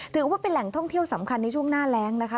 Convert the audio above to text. ถือว่าเป็นแหล่งท่องเที่ยวสำคัญในช่วงหน้าแรงนะคะ